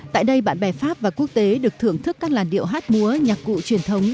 tại đây bạn bè pháp và quốc tế được thưởng thức các làn điệu hát múa nhạc cụ truyền thống